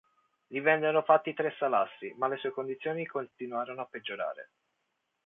Gli vennero fatti tre salassi, ma le sue condizioni continuarono a peggiorare.